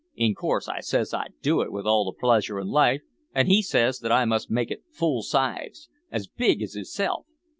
In course I says I'd do it with all the pleasure in life; and he says that I must make it full size, as big as hisself!